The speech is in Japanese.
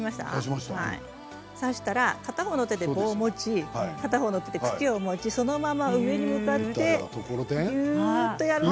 そうしたら片方の手で棒を持ち片方の手で茎を持ちそのまま上に向かってぎゅうっとやると。